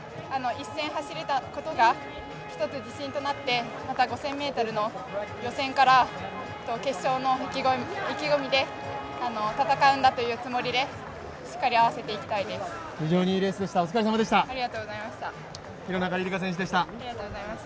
１戦走れたことがまた自信となってまた５０００ｍの予選から決勝の意気込みで戦うんだというつもりでしっかり合わせていきたいです。